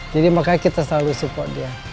jadi makanya kita selalu mendukung dia